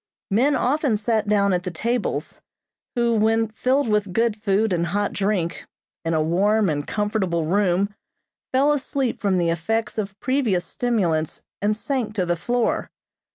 Men often sat down at the tables, who, when filled with good food and hot drink, in a warm and comfortable room fell asleep from the effects of previous stimulants and sank to the floor.